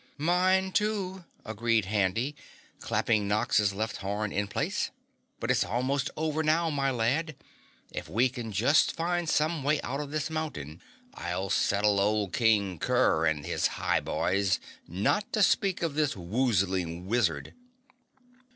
"Mine, too," agreed Handy, clapping Nox's left horn in place. "But it's almost over now, my lad. If we can just find some way out of this mountain, I'll settle old King Kerr and his High Boys, not to speak of this woozling wizard!"